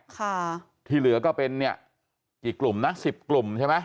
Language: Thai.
ค่ะที่เหลือก็เป็นเนี่ยกี่กลุ่มนะสิบกลุ่มใช่ไหม